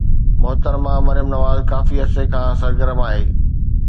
محترمه مريم نواز ڪافي عرصي کان سرگرم آهي.